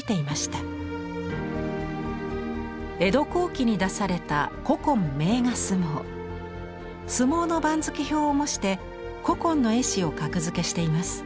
江戸後期に出された相撲の番付表を模して古今の絵師を格付けしています。